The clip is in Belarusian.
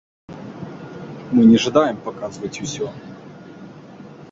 Мы не жадаем паказваць усё.